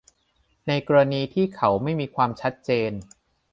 ในกรณีที่เขาไม่มีความชัดเจน